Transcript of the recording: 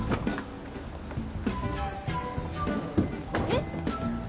えっ！？